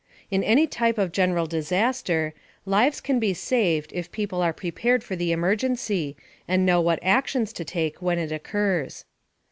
In any type of general disaster, lives can be saved if people are prepared for the emergency, and know what actions to take when it occurs.